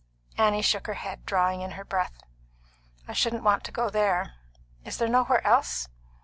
Annie shook her head, drawing in her breath. "I shouldn't want to go there. Is there nowhere else?"